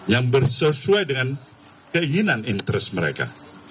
yang bersesuai dengan keinginan interest mereka